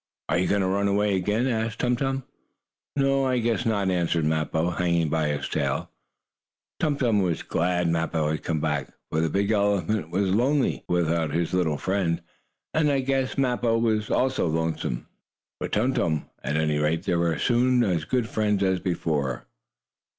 "Are you going to run away again?" asked Tum Tum. "No, I guess not," answered Mappo, hanging by his tail. Tum Tum was glad Mappo had come back, for the big elephant was lonesome for his little friend, and I guess Mappo was also lonesome for Tum Tum. At any rate, the two were soon as good friends as before.